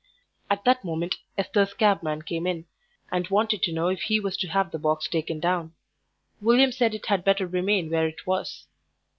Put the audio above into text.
At that moment Esther's cabman came in and wanted to know if he was to have the box taken down. William said it had better remain where it was.